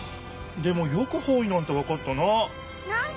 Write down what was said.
でもよく方位なんてわかったな。